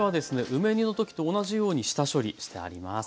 梅煮の時と同じように下処理してあります。